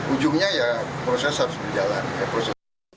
ujungnya ya proses harus berjalan